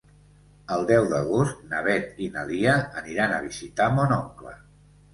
El deu d'agost na Beth i na Lia aniran a visitar mon oncle.